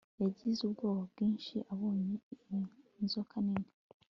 Yagize ubwoba bwinshi abonye iyi nzoka nini